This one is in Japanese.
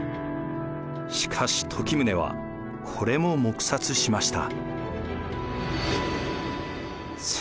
しかし時宗はこれも黙殺しました。